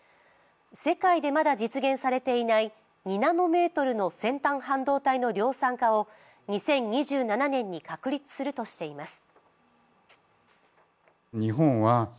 世界でまだ実現されていない２ナノメートルの先端半導体の量産化を２０２７年に確立するとしています。